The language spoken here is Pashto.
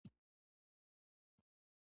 کاناډا د نرسانو اړتیا لري.